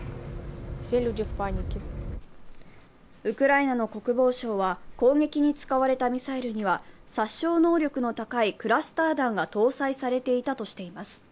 ウクライナの国防省は攻撃に使われたミサイルには殺傷能力の高いクラスター弾が搭載されていたとしています。